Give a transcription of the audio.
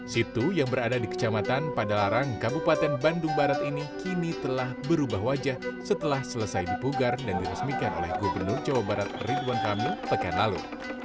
situ yang berada di kecamatan padalarang kabupaten bandung barat ini kini telah berubah wajah setelah selesai dipugar dan diresmikan oleh gubernur jawa barat ridwan kamil pekan lalu